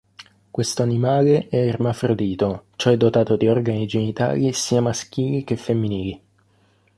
Questo animale è ermafrodito cioè dotato di organi genitali sia maschili che femminili.